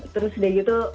terus dia gitu